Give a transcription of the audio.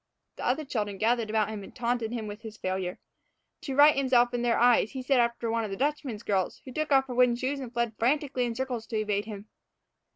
The other children gathered about him and taunted him with his failure. To right himself in their eyes he set after one of the Dutchman's girls, who shook off her wooden shoes and fled frantically in circles to evade him.